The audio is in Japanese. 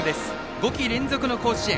５季連続の甲子園。